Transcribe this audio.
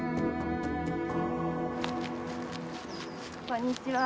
こんにちは。